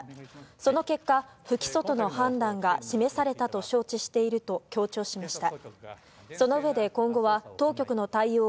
その結果、不起訴との判断が示されたと承知していると強調しました。